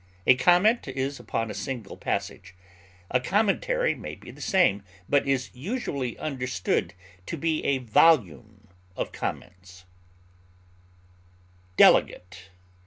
A comment is upon a single passage; a commentary may be the same, but is usually understood to be a volume of comments. DELEGATE.